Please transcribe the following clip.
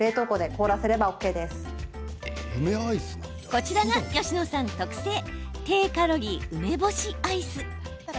こちらが吉野さん特製低カロリー梅干しアイス。